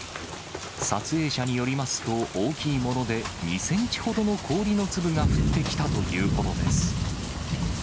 撮影者によりますと、大きいもので２センチほどの氷の粒が降ってきたということです。